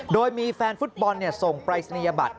โดยมีแฟนฟุตบอลส่งปรายศนียบัตร